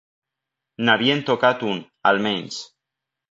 N'havíem tocat un, almenys